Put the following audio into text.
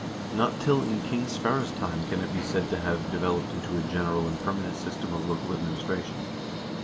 Not till in King Sverre's time can it be said to have developed into a general and permanent system of local administration.